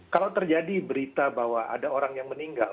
kalau terjadi berita bahwa ada orang yang meninggal